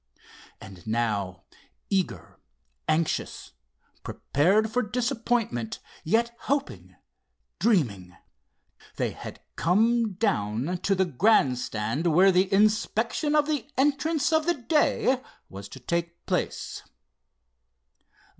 And now, eager, anxious, prepared for disappointment yet hoping, dreaming, they had come down to the grand stand where the inspection of the entrants of the day was to take place.